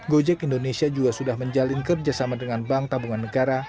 gojek indonesia juga sudah menjalin kerjasama dengan bank tabungan negara